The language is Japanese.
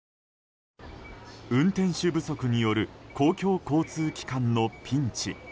運転手不足による公共交通機関のピンチ。